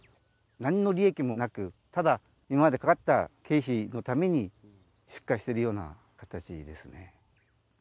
なんの利益もなく、ただ、今までかかった経費のために出荷してるような形ですね。